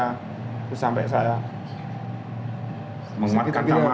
terus sampai saya menguatkan tawa